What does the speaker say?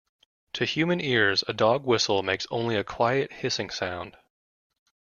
To human ears, a dog whistle makes only a quiet hissing sound.